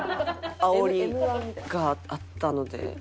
あおりがあったので。